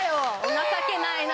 情けないな。